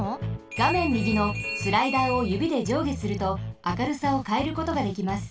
がめんみぎのスライダーをゆびでじょうげすると明るさをかえることができます。